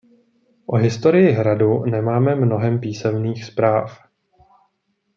O historii hradu nemáme mnohem písemných zpráv.